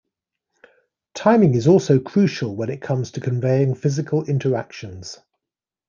Timing is also crucial when it comes to conveying physical interactions.